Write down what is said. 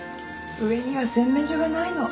上には洗面所がないの。